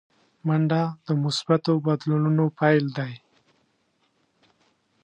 منډه د مثبتو بدلونونو پیل دی